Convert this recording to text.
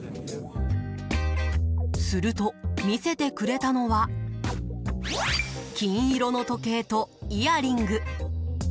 すると見せてくれたのは金色の時計とイヤリング。